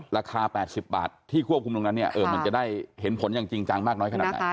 ราคา๘๐บาทที่ควบคุมตรงนั้นเนี่ยมันจะได้เห็นผลอย่างจริงจังมากน้อยขนาดไหน